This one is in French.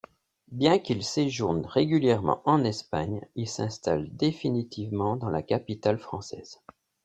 Bien qu'il séjourne régulièrement en Espagne, il s'installe définitivement dans la capitale française.